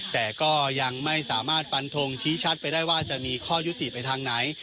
แต่ก็ยังไม่สามารถฟันทงชี้ชัดไปได้ว่าจะมีข้อยุติไปทางไหน